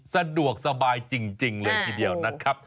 สะดวกสบายจริงเลยทีเดียวนะครับ